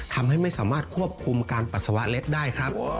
ทำให้ไม่สามารถควบคุมการปัสสาวะเล็กได้ครับ